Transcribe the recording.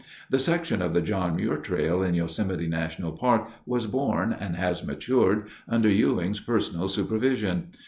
The section of the John Muir Trail in Yosemite National Park was born and has matured under Ewing's personal supervision.